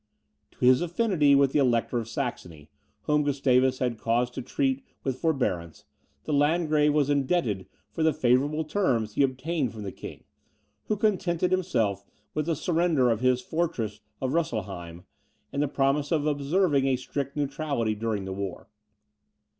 To his affinity with the Elector of Saxony, whom Gustavus had cause to treat with forbearance, the Landgrave was indebted for the favourable terms he obtained from the king, who contented himself with the surrender of his fortress of Russelheim, and his promise of observing a strict neutrality during the war.